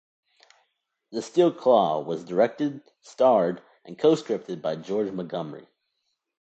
"The Steel Claw" was directed, starred and co-scripted by George Montgomery.